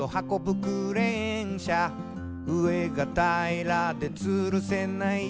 クレーン車」「上がたいらでつるせない」